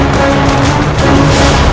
kita buat akhir